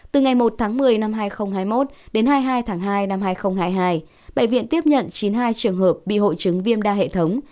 từ ngày một tháng một mươi năm hai nghìn hai mươi một đến hai mươi hai tháng hai năm hai nghìn hai mươi hai bệnh viện tiếp nhận chín mươi hai trường hợp bị hội chứng viêm đa hệ thống